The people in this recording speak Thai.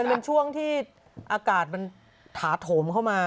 มันเป็นช่วงที่อากาศมันถาโถมเข้ามา